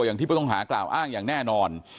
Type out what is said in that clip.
อย่างที่ผู้ต้องหากล่าวอ้างอย่างแน่นอน